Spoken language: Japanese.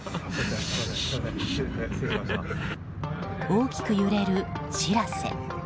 大きく揺れる「しらせ」。